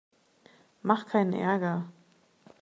Mach keinen Ärger!